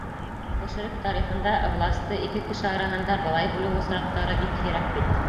Кешелек тарихында власты ике кеше араһында былай бүлеү осраҡтары бик һирәк бит.